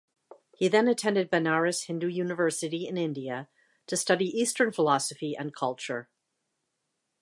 He then attended Banaras Hindu University in India, to study Eastern philosophy and culture.